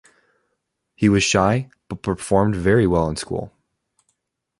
He was shy, but performed very well in school.